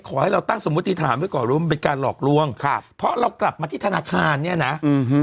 ขอให้เราตั้งสมมติฐานไว้ก่อนว่ามันเป็นการหลอกลวงครับเพราะเรากลับมาที่ธนาคารเนี่ยนะอืม